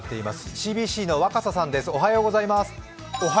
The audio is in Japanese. ＣＢＣの若狭さんです。